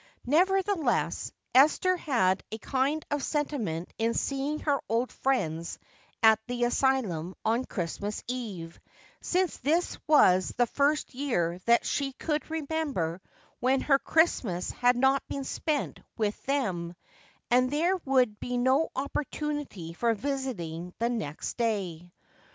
Nevertheless, Esther had a kind of sentiment in seeing her old friends at the asylum on Christmas eve, since this was the first year that she could remember when her Christmas had not been spent with them, and there would be no opportunity for visiting the next day.